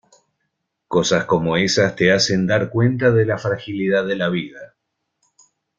Cosas como esas te hacen dar cuenta de la fragilidad de la vida.